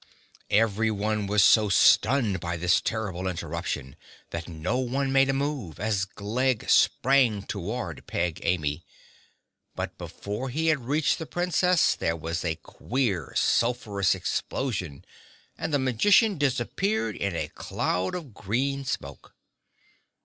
Everyone was so stunned by this terrible interruption that no one made a move as Glegg sprang toward Peg Amy. But before he had reached the Princess there was a queer sulphurous explosion and the magician disappeared in a cloud of green smoke.